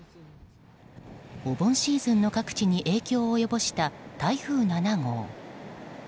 お盆シーズンの各地に影響を及ぼした台風７号。